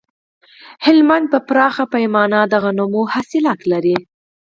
هلمند په پراخه پیمانه د غنمو حاصلات لري